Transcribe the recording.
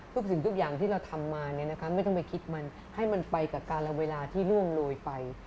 สิ่งทุกอย่างที่เราทำมาไม่ต้องไปคิดมันให้มันไปกับการละเวลาที่ล่วงโรยไป